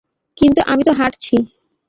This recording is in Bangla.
কিন্তু আমি তো হাঁটছি।